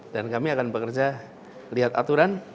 dan kami akan bekerja lihat aturan